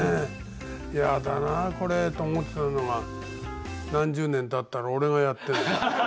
「やだなこれ」と思ってたのが何十年たったら俺がやってるの。